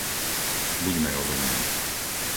Buďme rozumní.